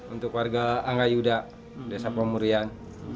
untuk warga angga yuda desa pamurian